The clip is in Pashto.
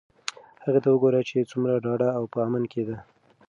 هغې ته وگوره چې څومره ډاډه او په امن کې ده.